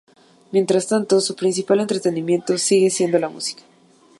Mientras tanto, su principal entretenimiento sigue siendo la música.